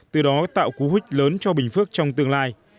từ đó tạo cú hích lớn cho bình phước trong tương lai